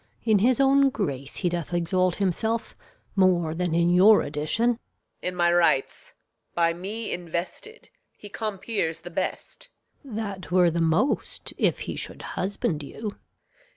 In his own grace he doth exalt himself More than in your addition. Reg. In my rights By me invested, he compeers the best. Gon. That were the most if he should husband you.